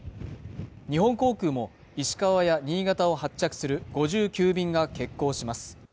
日本航空も石川や新潟を発着する５９便が欠航します